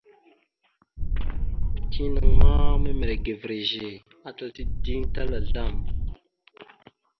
Tinaŋ ma miməre ga virəze, atal tideŋ tal azlam.